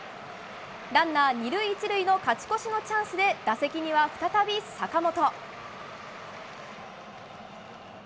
ランナー２塁１塁の勝ち越しのチャンスで打席には再び坂本。